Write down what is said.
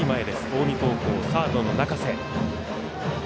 近江高校、サードの中瀬。